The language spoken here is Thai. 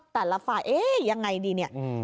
เพราะว่าที่พี่ไปดูมันเหมือนกับมันมีแค่๒รู